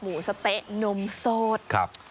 หมูสะเต๊ะนมโสด